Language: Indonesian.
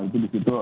itu di situ